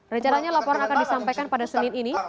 rencananya laporan akan disampaikan pada senin ini